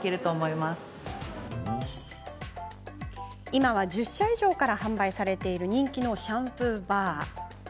今は１０社以上から販売されている人気のシャンプーバー。